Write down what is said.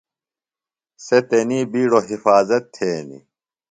سےۡ تنی بِیڈوۡ حفاظت تھینیۡ۔